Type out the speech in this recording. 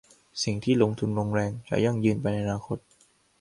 สิ่งที่ลงทุนลงแรงจะยั่งยืนไปในอนาคต